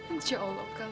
insya allah kang